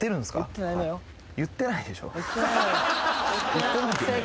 言ってないよね？